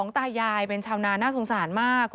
ตายายเป็นชาวนาน่าสงสารมาก